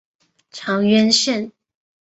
长渊线